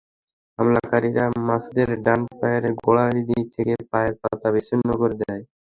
হামলাকারীরা মাসুদের ডান পায়ের গোড়ালি থেকে পায়ের পাতা বিচ্ছিন্ন করে দেয়।